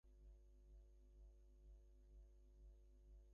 রাজা বিষণ্ন হইয়া মনে মনে কহিলেন, আমি কোনো কাজ করিতে পারি না।